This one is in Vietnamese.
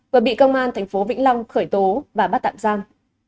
vừa bị công an thành phố vĩnh long khởi tố và bắt tạm giam